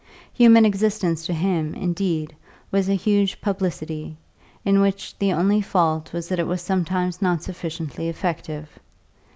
Human existence to him, indeed, was a huge publicity, in which the only fault was that it was sometimes not sufficiently effective.